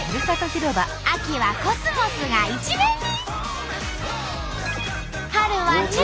秋はコスモスが一面に！